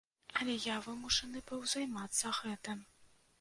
Але я вымушаны быў займацца гэтым.